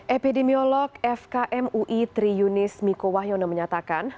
epidemiolog fkm ui tri yunis miko wahyono menyatakan